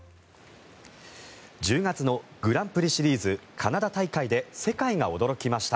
１０月のグランプリシリーズカナダ大会で世界が驚きました。